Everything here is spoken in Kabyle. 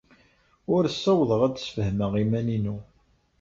Ur ssawḍeɣ ad d-sfehmeɣ iman-inu.